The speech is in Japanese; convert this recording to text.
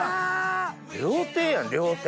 料亭やん料亭。